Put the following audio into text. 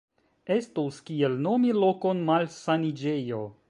Estus kiel nomi lokon malsaniĝejo.